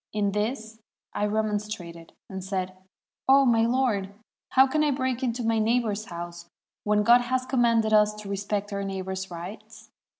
In this I remonstrated, and said, ' 0 my lord, how can I break into my neighbor's house, when God has commanded us to respect our neighbors' rights?'